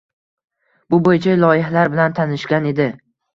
Bu bo‘yicha loyihalar bilan tanishgan edi.